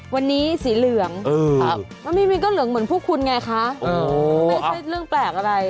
วันนี้สีเหลืองมันไม่มีก็เหลืองเหมือนพวกคุณไงคะไม่ใช่เรื่องแปลกอะไร